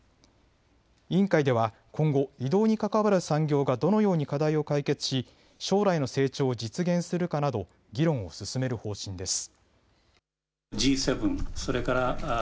委員会では今後、移動に関わる産業がどのように課題を解決し将来の成長を実現するかなど議論を進める方針です。